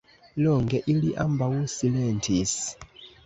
Longe ili ambaŭ silentis.